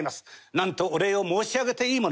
なんとお礼を申し上げていいものか。